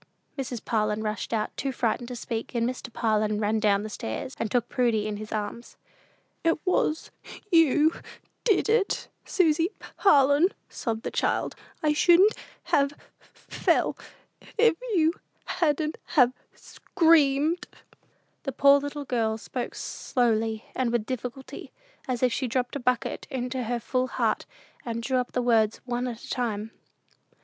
Mrs. Parlin rushed out, too frightened to speak, and Mr. Parlin ran down stairs, and took Prudy up in his arms. "It was you did it Susy Parlin," sobbed the child. "I shouldn't have fell, if you hadn't have screamed." The poor little girl spoke slowly and with difficulty, as if she dropped a bucket into her full heart, and drew up the words one at a time.